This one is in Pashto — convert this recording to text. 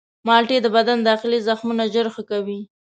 مالټې د بدن داخلي زخمونه ژر ښه کوي.